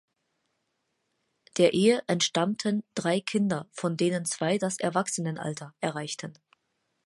Der Ehe entstammten drei Kinder, von denen zwei das Erwachsenenalter erreichten.